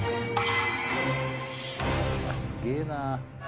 すげえなぁ。